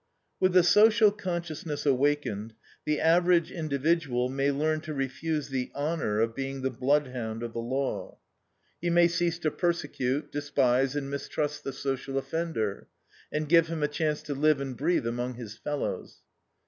With the social consciousness awakened, the average individual may learn to refuse the "honor" of being the bloodhound of the law. He may cease to persecute, despise, and mistrust the social offender, and give him a chance to live and breathe among his fellows.